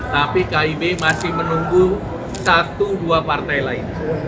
tapi kib masih menunggu satu dua partai lain